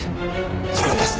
それです。